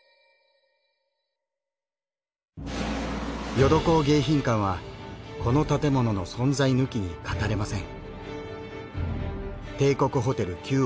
『ヨドコウ迎賓館』はこの建物の存在抜きに語れません。